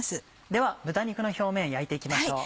では豚肉の表面焼いて行きましょう。